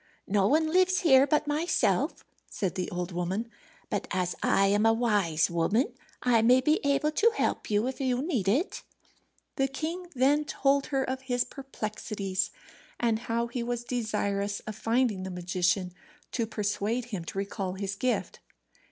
"No one lives here but myself," said the old woman. "But as I am a wise woman I may be able to help you if you need it." The king then told her of his perplexities, and how he was desirous of finding the magician, to persuade him to recall his gift.